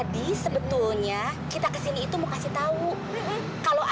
t heute aku tylko jadi mere sluruh